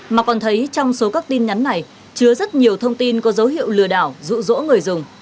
mà còn thấy trong số các tin nhắn này chứa rất nhiều thông tin có dấu hiệu lừa đảo rụ rỗ người dùng